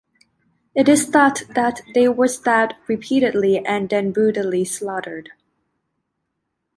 It is thought that they were stabbed repeatedly and then brutally slaughtered.